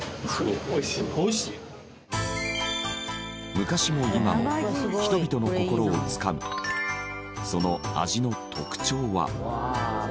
昔も今も人々の心をつかむその味の特徴は。